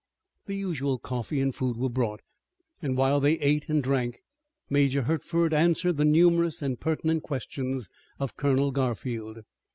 The usual coffee and food were brought, and while they ate and drank Major Hertford answered the numerous and pertinent questions of Colonel Garfield.